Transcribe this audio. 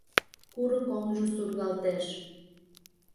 Курык оҥжо сургалтеш